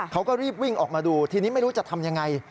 เขาก็รีบวิ่งออกมาดูทีนี้ไม่รู้จะทำยังไง